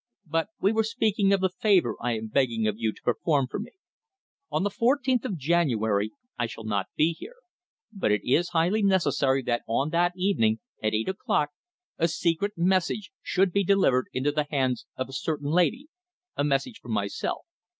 "But we were speaking of the favour I am begging of you to perform for me. On the fourteenth of January I shall not be here, but it is highly necessary that on that evening, at eight o'clock, a secret message should be delivered into the hands of a certain lady a message from myself.